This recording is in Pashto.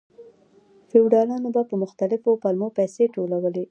فیوډالانو په مختلفو پلمو پیسې ټولولې.